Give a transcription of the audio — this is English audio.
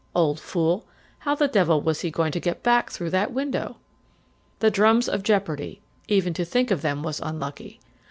Old fool, how the devil was he going to get back through that window? The drums of jeopardy even to think of them was unlucky!